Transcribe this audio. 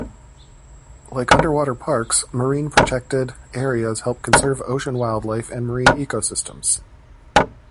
Like underwater parks, marine protected areas help conserve ocean wildlife and marine ecosystems.